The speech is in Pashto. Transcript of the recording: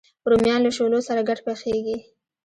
رومیان له شولو سره ګډ پخېږي